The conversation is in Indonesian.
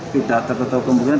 tidak tertutup kemungkinan